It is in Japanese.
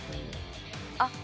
あっ。